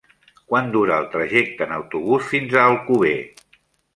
Quant dura el trajecte en autobús fins a Alcover?